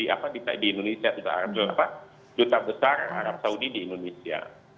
apa di indonesia duta besar arab saudi di indonesia